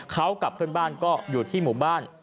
เขากับเพื่อนบ้านก็อยู่ที่หมู่บ้าน